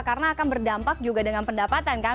karena akan berdampak juga dengan pendapatan kan